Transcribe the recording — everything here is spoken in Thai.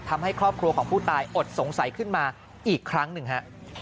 ทำให้ครอบครัวของผู้ตายอดสงสัยขึ้นมาอีกครั้งหนึ่งฮะ